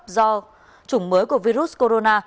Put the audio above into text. do chủng mới của virus corona